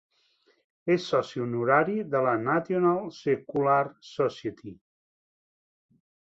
És soci honorari de la National Secular Society.